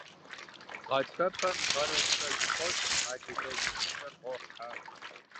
Гъатхэпэм гъэрэ щӀырэ зэхокӀ, адыгэ илъэсыщӀэр къохьэ.